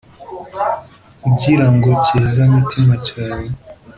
Ugira ngo cyezamitima cyawe